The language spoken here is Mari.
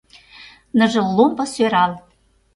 Ныжыл ломбо сӧрал.